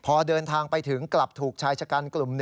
พอเดินทางไปถึงกลับถูกชายชะกันกลุ่ม๑